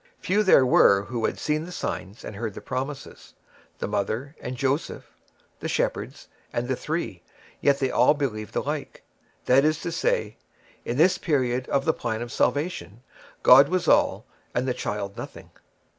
Few there were who had seen the signs and heard the promises—the Mother and Joseph, the shepherds, and the Three—yet they all believed alike; that is to say, in this period of the plan of salvation, God was all and the Child nothing.